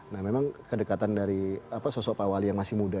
nah memang kedekatan dari sosok pak wali yang masih muda